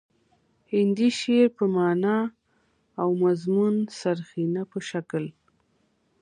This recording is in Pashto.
هندي شعر په معنا او مضمون څرخي نه په شکل